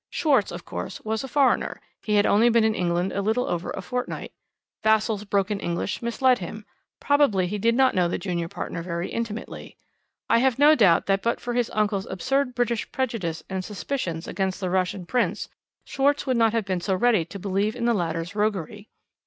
Schwarz, of course, was a foreigner; he had only been in England a little over a fortnight. Vassall's broken English misled him; probably he did not know the junior partner very intimately. I have no doubt that but for his uncle's absurd British prejudice and suspicions against the Russian Prince, Schwarz would not have been so ready to believe in the latter's roguery.